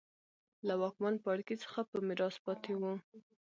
له واکمن پاړکي څخه په میراث پاتې وو.